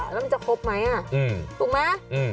แล้วมันจะครบไหมถูกไหม